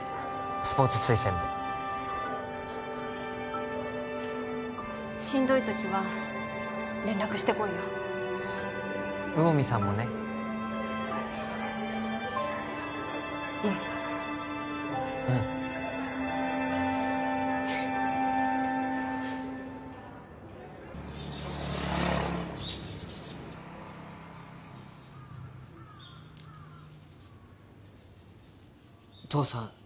スポーツ推薦でしんどい時は連絡してこいよ魚見さんもねうんうん父さん